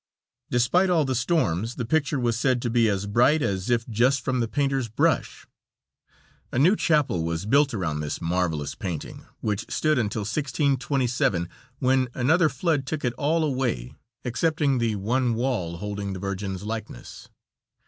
Despite all the storms the picture was said to be as bright as if just from the painter's brush. A new chapel was built around this marvelous painting, which stood until 1627, when another flood took it all away excepting the one wall holding the Virgin's likeness.